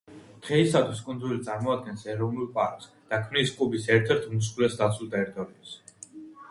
დღეისათვის კუნძული წარმოადგენს ეროვნულ პარკს და ქმნის კუბის ერთ-ერთ უმსხვილეს დაცულ ტერიტორიას.